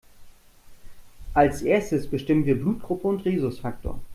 Als Erstes bestimmen wir Blutgruppe und Rhesusfaktor.